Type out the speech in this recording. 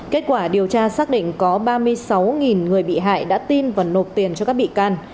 kết quả điều tra xác định có ba mươi sáu người bị hại đã tin và nộp tiền cho các bị can